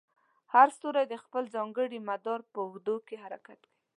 هر ستوری د خپل ځانګړي مدار په اوږدو کې حرکت کوي.